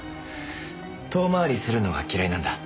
遠回りするのが嫌いなんだ。